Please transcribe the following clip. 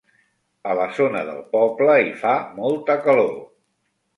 A la zona del poble hi fa molta calor.